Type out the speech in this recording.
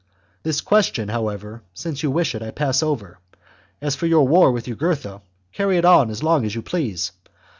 This question, how ever, since you wish it, I pass over ; as for your war with Jugurtha, carry it on as long as you please.